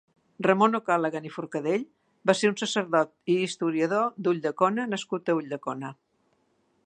Ramon O'Callaghan i Forcadell va ser un sacerdot i historiador d'Ulldecona nascut a Ulldecona.